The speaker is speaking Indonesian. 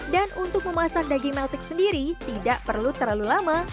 dan untuk memasak daging meltik sendiri tidak perlu terlalu lama